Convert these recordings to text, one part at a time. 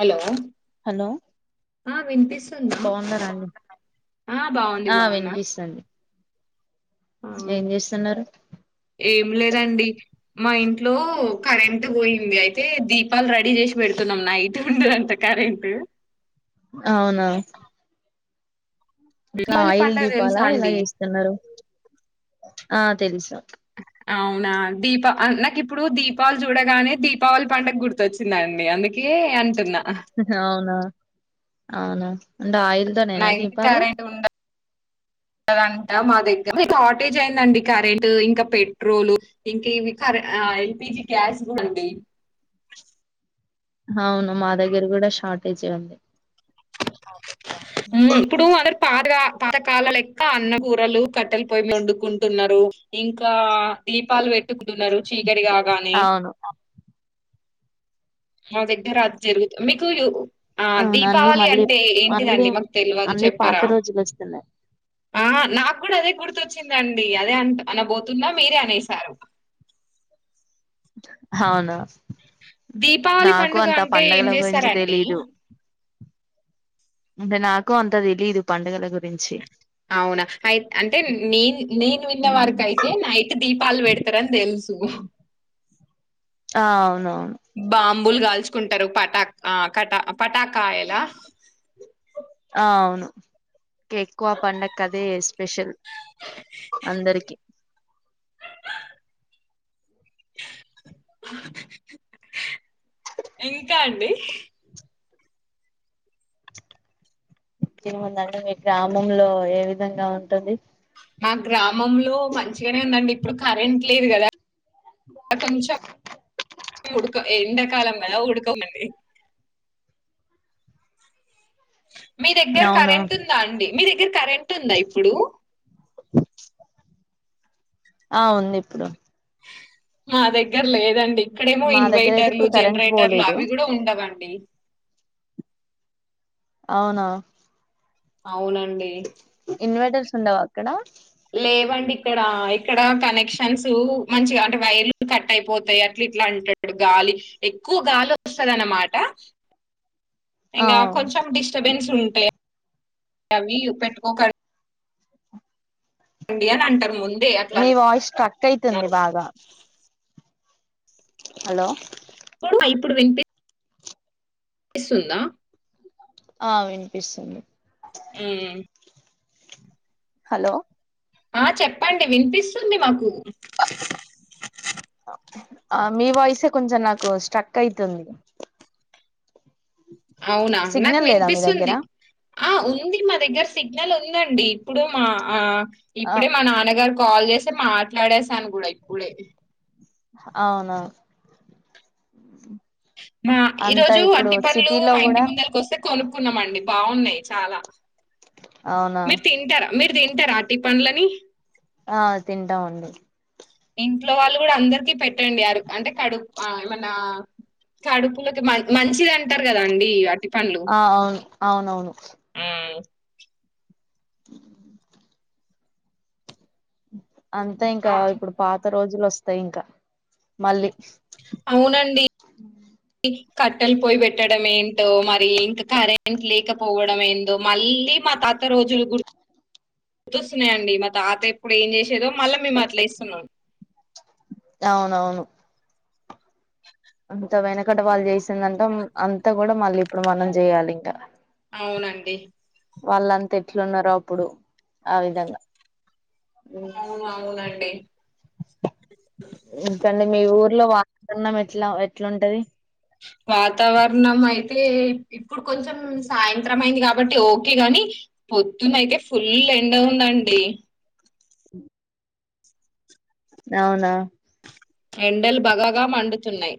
Hello hello ఆ వినిపిస్తుందా బాగున్నారా అండి ఆ బాగుంది ఆ బాగున్నా వినిపిస్తుంది ఆ ఏం చేస్తున్నారు ఏం లేదండి మా ఇంట్లో కరెంట్ పోయింది అయితే దీపాలు రెడీ చేసి పెడుతున్నాం నైట్ ఉండదంట కరెంట్ అవునా ఎట్లా దీపావళి ఆయిల్ పండగ దీపాలా తెలుసా ఎలా అండి చేస్తున్నారు ఆ తెలుసు అవునా దీపా నాకు ఇప్పుడు దీప్ పాలు చూడగానే దీపావళి పండుగ గుర్తొచ్చిందండి అందుక్ కె అంటన అవునా అవునా అండ్ ఆయిల్ తో నేనా దీపాలు అంతా మా దగ్గర షార్టేజ్ అయిందండి కరెంట్ ఇంకా పెట్రోల్ ఇంకా ఇవి ఎల్పిజి గ్యాస్ కూడా అండి అవును మా దగ్గర కూడా షార్టేజ్ ఎ ఉంది హుమ్మ్ ఇప్పుడు అక్కడ్ పాతగా పాతకాలం యి ఇంకా అన్న కూరలు కట్టెల పొయ్యి వండుకుంటున్నారు ఇంకా దీపాలు పెట్ ఇంటికెళ్ళారు చీకటి కాగానే అవును మా దగ్గర అది జరుగుతుంది మీకుయు ఆ అవును అన్ని దీపావళి మళ్ళీ అంటే మళ్ళీ ఏంటిదండి మాకు తెల్వదు అన్ని పాత చెప్పారా రోజులు వస్తున్నాయి ఆ నాకు కూడా అదే గుర్తొచ్చిందండి అదే అ అనబోతున్నా మీరే అనేసారు అవును దీపావళి నాకు పండుగ అంత అంటే ఏం పండగల గురించి చేస్తారంండి తెలీదు అంటే నాకు అంత తెలీదు పండుగల గురించి అవునా అయి అంటే నేన్ నేను విన్న వారికి అయితే నైట్ దీపాలు పెడతారని తెలుసు ఆ అవునవును అంబులు కాల్చుకుంటారు కటా పటాకాయల ఆ అవును ఎక్కువ పండగ కి అదే స్పెషల్ అందరికి ఇంకా అండి ఇంకేముందండి మీ గ్రామంలో ఏ విధంగా ఉంటుంది మా గ్రామంలో మంచిగానే ఉందండి ఇప్పుడు కరెంట్ లేదు కదా కొంచెం ఉడుక ఎండకాలం కదా ఉడుక గా ఉందండి మీ దగ్గర అవునా కరెంట్ ఉందా అండి మీ దగ్గర కరెంట్ ఉందా ఇప్పుడు ఆ ఉంది ఇప్పుడు మా దగ్గర లేదు దండి ఇక్కడేమో మా దగ్గర అయితే ఇన్వైటర్లు ఇప్పుడు కరెంట్ జనరేటర్లు పోలేదు అవి కూడా ఉండవండి అవునా అవునండి ఇన్వర్టర్స్ ఉండవా అక్కడ లేవండి ఇక్కడ ఇక్కడ కనెక్షన్స్ మంచిగా అంటే వైర్లు కట్ అయిపోతాయి అట్లా ఇట్లా అంటాడు గాలి ఎక్కువ గాలి వస్తంది అన్నమాట ఆ ఇంకా కొంచెం డిస్టర్బెన్స్ ఉంటాయి అ పెట్టుకోక అండి అన్ అంటారు మున్ మీ వాయిస్ కట్ అయితుంది బాగా హలో ఇప్పుడు ఆ ఇప్పుడు వినీపీ ఎస్తుందా ఆ వినిపిస్తుంది మ్మ్ హలో ఆ చెప్పండి వినిపిస్తుంది మాకు ఆ మీ వాయిసే కొంచెం నాకు స్ట్రక్ అయితుంది అవునా నాకు సిగ్నల్ లేదా మీ దగ్గర వినిపిస్తుంది ఆ ఉంది మా దగ్గర సి సిగ్నల్ ఉందండి ఇప్పుడు మా ఆ ఆ ఇప్పుడే మా నాన్నగారు కాల్ చేసి మాట్లాడేసాను కూడా ఇప్పుడే అవునవును మా ఈ రోజు అరటి పళ్ళు మా ఇంటి కూడా ముందరికొస్తే కొనుక్కున్నామండి బాగున్నాయి చాలా అవునా మీరు తింటారా మీరు త్రింటార అటి పళ్ళని ఆ తింటామండి ఏంటి ట్లో వాళ్ళు కూడా అందరికి. పెట్టండి అరు అంటే కడు ఆ ఏమన్నా కడుపులకి మ మంచిది అంటారు కదాండీ ఆ అవును అవునవును అంతే ఇంకా ఆ ఇప్పుడు పాత కొత్త రోజులు వస్తాయి ఇంకా మళ్ళీ అవునండి కట్టెలు పోయి పెట్టడం ఏంటో మరి ఇంకా కరెంట్ లేకపోవడం ఏందొ మళ్ళీ మా తాత రోజులు గుర్తు గుర్తొస్తున్నాయండి మా తాత ఇప్పుడు ఏం చేసేదో మళ్ళీ మేము అట్లా చెస్తున్నాం అవునవును అంత వెనకట వాళ్ళు చేసిందంత అంతా కూడా మళ్ళీ ఇప్పుడు మనం చేయాలి ఇంకా అవునండి వాళ్ళంతా ఎట్లు ఉన్నారో అప్పుడు ఆ విధంగా అవును అవునండి ఇంకండి మీ ఊరు లో వాతావరణం ఎట్లా ఎట్లుంటది వాతావరణం అయితే ఇప్పుడు కొంచెం సాయంత్రం అయింది కా ఇప్పట్లో ఓకే గాని పొద్దున అయితే ఫుల్ ఎండగుందండి అవునా ఎండల్ భగ భగ మండ్తు తున్నాయి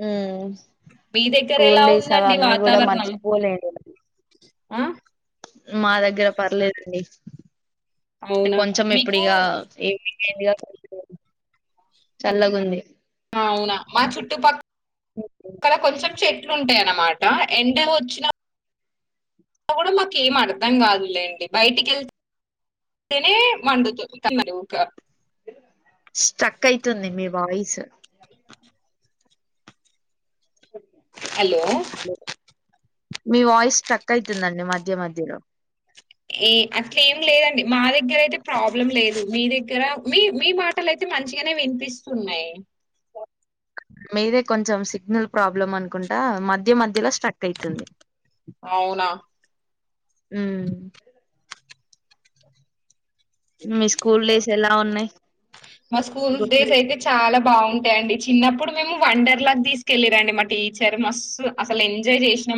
హమ్ మీ దగ్గర ఎలా ఉందండి వాతావరణం మర్చిపోలేదు ఆ మా దగ్గర పర్లేదండి అంటే అవునా కొంచెం మీకు ఎప్పుడిగ ఏ చల్లగుంది అవునా మా చుట్టుపక్కల అక్కడ కొంచెం చె లుంటాయ అన్నమాట ఎండ వచ్చిన కూడా మాకు ఏం అర్థం కాదులేండి బయటికి వెళ్తేనే వండుతుందిలుక స్ట్రక్ అయితుంది మీ వాయిస్ హలో మీ వాయిస్ చక్క అవుతుందండి మధ్య మధ్యలో ఏ అట్ల ఏం లేదండి మా దగ్గర దగ్గర అయితే ప్రాబ్లం లేదు మీ దగ్గర మీ మీ మాటలు అయితే మంచిగానే వినిపిస్తున్నాయి మీదే కొంచెం సిగ్నల్ ప్రాబ్లమ్ అనుకుంటా మధ్య మధ్యలో స్టక్ అవుతుంది అవునా హమ్ మీ స్కూల్ డేస్ ఎలా ఉన్నాయి మా స్కూల్ గుర్తు డేస్ తెచ్చుకు అయితే చాలా బాగుంటాయిండి చిన్నప్పుడు మేము వండర్ లాగా తీసుకెళ్ళరండి మా టీచర్ మస్ అసలు ఎంజాయ్ చేసినా